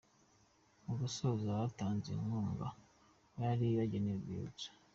Mu gusoza batanze inkunga bari bageneye Urwibutso.